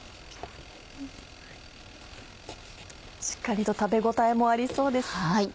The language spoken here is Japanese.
しっかりと食べ応えもありそうです。